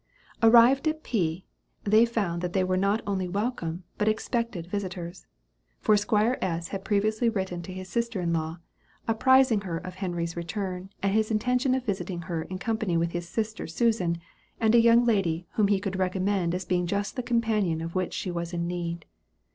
Arrived at P., they found that they were not only welcome, but expected visitors; for Esq. S. had previously written to his sister in law, apprising her of Henry's return, and his intention of visiting her in company with his sister Susan, and a young lady whom he could recommend as being just the companion of which she was in need.